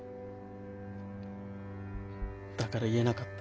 だから言えなかった。